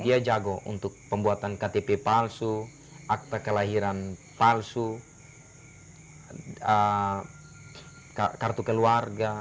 dia jago untuk pembuatan ktp palsu akta kelahiran palsu kartu keluarga